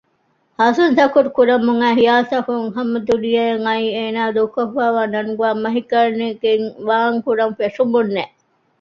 ހަސަންތަކުރު ކުރަމުންއައި ޚިޔާލުތަކުން ހަމަދުނިޔެއަށް އައީ އޭނާ ދޫކޮށްފައިވާ ނަނުގައި މަހެއްގަނެގެން ވާންކުރަންފެށުމުން